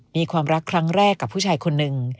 มีความรักครั้งแรกกับผู้ชายคนหนึ่ง